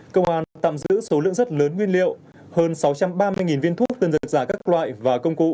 công an tạm giữ số lượng rất lớn nguyên liệu hơn sáu trăm ba mươi viên thuốc tân dược giả các loại và công cụ